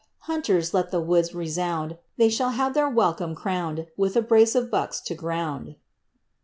Hunters, let the woods resound; They shall have their welcome crown*d With a brace of bucks to ground."